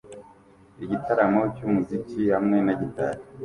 Igitaramo cy'umuziki hamwe na gitari